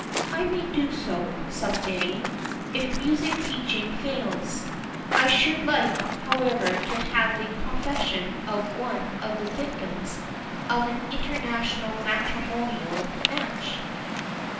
"I may do so, some day, if music teaching fails. I should like, however, to have the confession of one of the victims of an international matrimonial match."